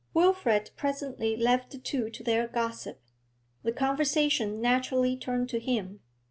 Wilfrid presently left the two to their gossip. The conversation naturally turned to him.